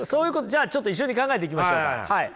じゃあちょっと一緒に考えていきましょうか。